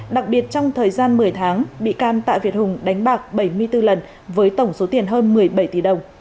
đặc biệt trong thời gian một mươi tháng bị can tạ việt hùng đánh bạc bảy mươi bốn lần với tổng số tiền hơn một mươi bảy tỷ đồng